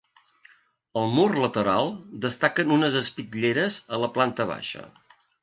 Al mur lateral destaquen unes espitlleres a la planta baixa.